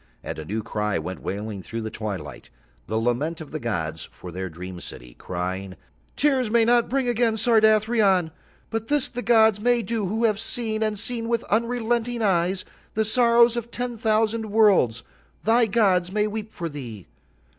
And a new cry went wailing through the Twilight, the lament of the gods for Their dream city, crying: "Tears may not bring again Sardathrion. "But this the gods may do who have seen, and seen with unrelenting eyes, the sorrows of ten thousand worlds—thy gods may weep for thee.